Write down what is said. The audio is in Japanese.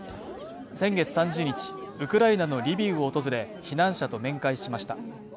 先月３０日、ウクライナのリビウを訪れ避難者と面会しました。